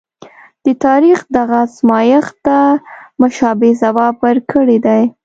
د تاریخ دغه ازمایښت ته مشابه ځواب ورکړی دی.